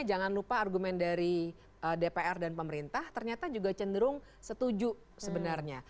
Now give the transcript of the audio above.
jangan lupa argumen dari dpr dan pemerintah ternyata juga cenderung setuju sebenarnya